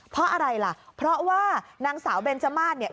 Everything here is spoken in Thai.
เพราะอะไรล่ะเพราะว่านางสาวเบนจมาสเนี่ย